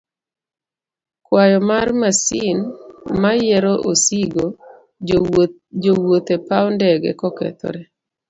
kwayo mar masin mayiero osigo, jowuoth e paw ndege kokethore.